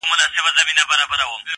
غلطۍ کي مي د خپل حسن بازار مات کړی دی.